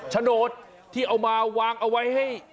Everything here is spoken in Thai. โฉนดที่เอามาวางเอาไว้ให้